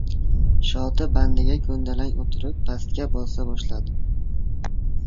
Shoti bandiga ko‘ndalang o‘tirib, pastga bosa boshla- dim.